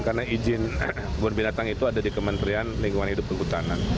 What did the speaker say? karena izin kebun binatang itu ada di kementerian lingkungan hidup dan kehutanan